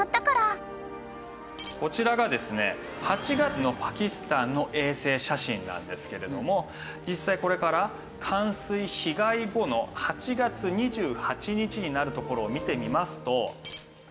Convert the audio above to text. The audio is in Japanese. こちらがですね８月のパキスタンの衛星写真なんですけれども実際これから冠水被害後の８月２８日になるところを見てみますと。